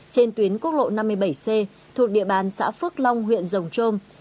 trên tuyến quốc lộ năm mươi bảy c thuộc địa bàn xã phước long huyện rồng trôm